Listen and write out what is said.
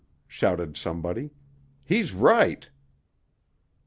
shouted somebody. "He's right."